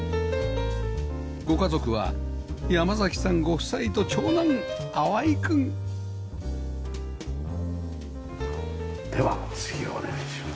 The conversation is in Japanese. ご家族は山さんご夫妻と長男淡くんでは次をお願いします。